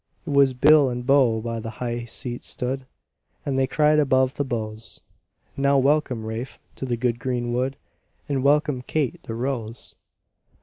It was bill and bow by the high seat stood, And they cried above the bows, "Now welcome, Rafe, to the good green wood, And welcome Kate the Rose!"